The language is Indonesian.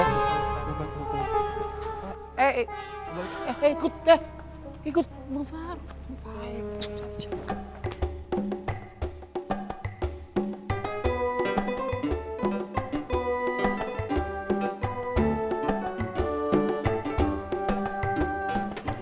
eh ikut deh ikut bang farouk